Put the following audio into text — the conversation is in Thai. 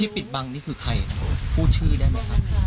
ปิดบังนี่คือใครพูดชื่อได้ไหมครับ